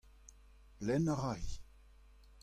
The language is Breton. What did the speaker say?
lenn a ra-hi.